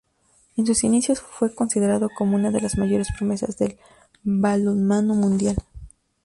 En sus inicios fue considerado como una de las mayores promesas del balonmano mundial.